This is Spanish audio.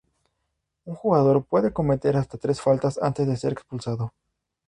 Un jugador puede cometer hasta tres faltas antes de ser expulsado.